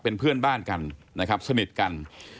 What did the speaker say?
เป็นเพื่อนบ้านกันนะครับสนิทกัน